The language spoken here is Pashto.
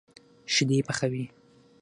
شيدې پخوي.